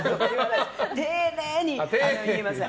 丁寧に言いますよ。